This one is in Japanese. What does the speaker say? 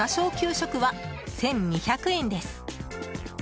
食は１２００円です。